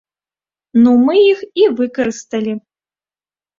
Ну мы іх і выкарысталі.